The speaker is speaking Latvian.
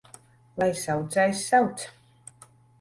Lai saucējs sauc!